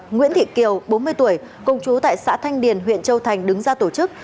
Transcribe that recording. nguyễn thị kiều bốn mươi tuổi công chú tại xã thanh điền huyện châu thành đứng ra tổ chức